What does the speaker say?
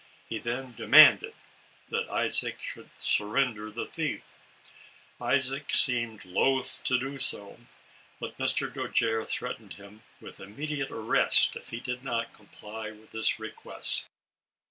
He then demanded that Isaac 'should surrender the thief. Isaac seemed loth to do so, but Mr. Dojere threatened him with immediate arrest, if he did not comply with his request.